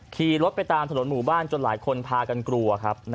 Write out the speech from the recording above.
ขี่รถไปตามถนนหมู่บ้านจนหลายคนพากันกลัวครับ